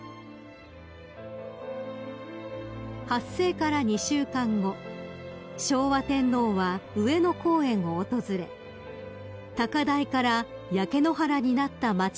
［発生から２週間後昭和天皇は上野公園を訪れ高台から焼け野原になった街を視察］